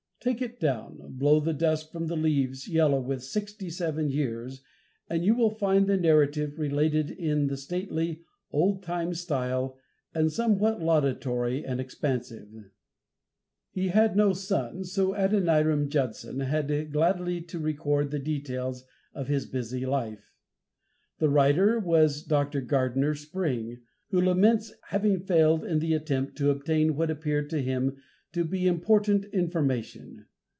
Take it down, blow the dust from the leaves yellow with sixty seven years, and you will find the narrative related in the stately, old time style, and somewhat laudatory and expansive. He had no son, as Adoniram Judson had, gladly to record the details of his busy life. The writer was Dr. Gardiner Spring, who laments having failed in the attempt to obtain what appeared to him to be important information.